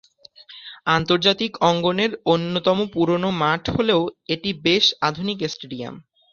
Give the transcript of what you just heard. আন্তর্জাতিক অঙ্গনের অন্যতম পুরনো মাঠ হলেও এটি বেশ আধুনিক স্টেডিয়াম।